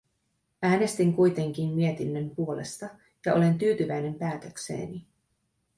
Äänestin kuitenkin mietinnön puolesta, ja olen tyytyväinen päätökseeni.